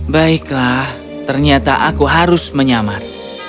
baiklah ternyata aku harus menyamar